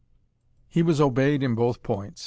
He was obeyed in both points.